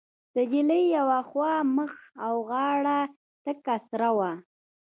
د نجلۍ يوه خوا مخ او غاړه تکه سره وه.